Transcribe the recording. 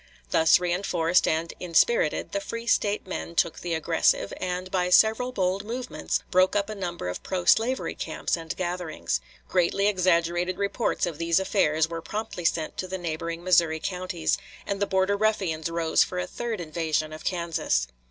Thus reënforced and inspirited, the free State men took the aggressive, and by several bold movements broke up a number of pro slavery camps and gatherings. Greatly exaggerated reports of these affairs were promptly sent to the neighboring Missouri counties, and the Border Ruffians rose for a third invasion of Kansas.